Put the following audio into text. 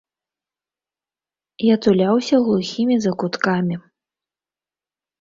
Я туляўся глухімі закуткамі.